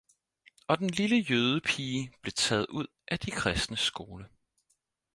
Og den lille jødepige blev taget ud af de kristnes skole